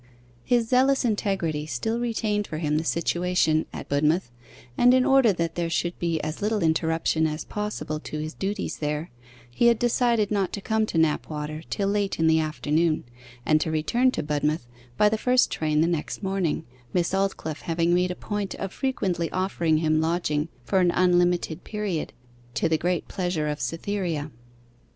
His zealous integrity still retained for him the situation at Budmouth, and in order that there should be as little interruption as possible to his duties there, he had decided not to come to Knapwater till late in the afternoon, and to return to Budmouth by the first train the next morning, Miss Aldclyffe having made a point of frequently offering him lodging for an unlimited period, to the great pleasure of Cytherea.